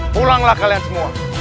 pulanglah kalian semua